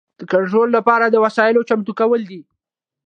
د کنټرول لپاره د وسایلو چمتو کول دي.